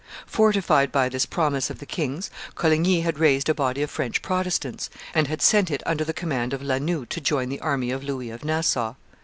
Fortified by this promise of the king's, Coligny had raised a body of French Protestants, and had sent it under the command of La Noue to join the army of Louis of Nassau.